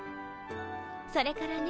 それからね